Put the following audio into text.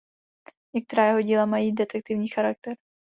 Některá jeho díla mají detektivní charakter.